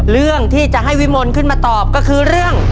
เรื่องที่จะให้วิมลขึ้นมาตอบก็คือเรื่อง